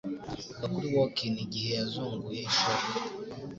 Vuga kuri workin ', igihe yazunguye ishoka